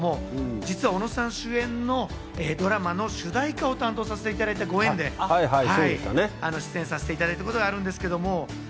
実は尾野さん主演のドラマの主題歌を担当させていただいたご縁で出演させていただいたことがあるんですけど。